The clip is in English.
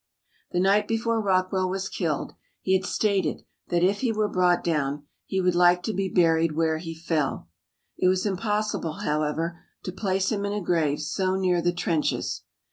The night before Rockwell was killed he had stated that if he were brought down he would like to be buried where he fell. It was impossible, however, to place him in a grave so near the trenches.